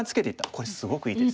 これすごくいい手です。